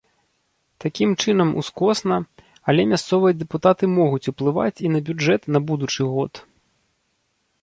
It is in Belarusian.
Такім чынам ускосна, але мясцовыя дэпутаты могуць уплываць і на бюджэт на будучы год.